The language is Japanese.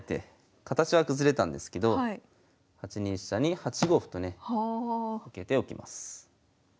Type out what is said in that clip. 形は崩れたんですけど８二飛車に８五歩とね受けておきます。